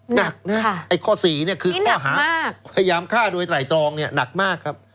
หนักค่ะนี่หนักมากข้อ๔คือข้อหาพยายามฆ่าด้วยไตรตรองนี่หนักมากครับ